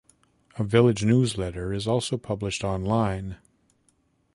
A village newsletter is also published online.